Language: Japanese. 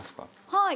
はい。